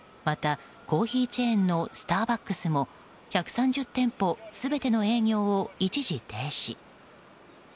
また、コーヒーチェーンのスターバックスも１３０店舗全ての営業を一時停止。